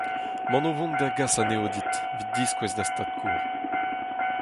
Emaon o vont da gas anezho dit, evit diskouez da’z tad-kozh.